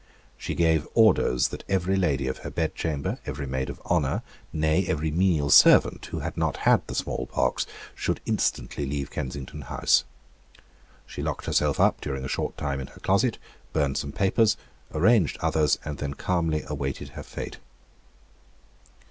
She gave orders that every lady of her bedchamber, every maid of honour, nay, every menial servant, who had not had the small pox, should instantly leave Kensington House. She locked herself up during a short time in her closet, burned some papers, arranged others, and then calmly awaited her fate.